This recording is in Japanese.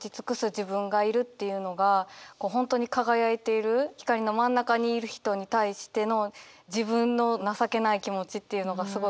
っていうのが本当に輝いている光りの真ん中にいる人に対しての自分の情けない気持ちっていうのがすごい